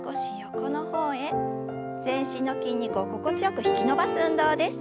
全身の筋肉を心地よく引き伸ばす運動です。